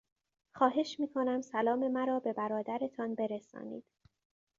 خواهش میکنم سلام مرا به برادرتان برسانید.